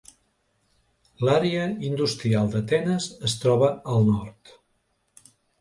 L'àrea industrial d'Atenes es troba al nord.